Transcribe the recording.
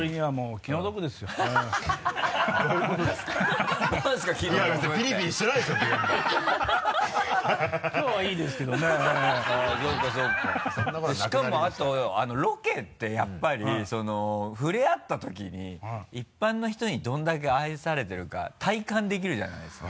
そんなことはなくなりましたからしかもあとロケってやっぱりふれあったときに一般の人にどれだけ愛されてるか体感できるじゃないですか。